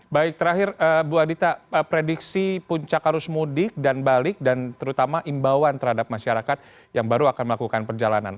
baik terakhir bu adita prediksi puncak arus mudik dan balik dan terutama imbauan terhadap masyarakat yang baru akan melakukan perjalanan